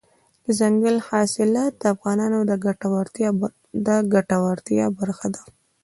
دځنګل حاصلات د افغانانو د ګټورتیا برخه ده.